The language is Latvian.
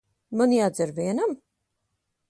Man jādzer vienam?